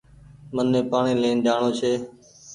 مني پآڻيٚ لين جآڻو ڇي۔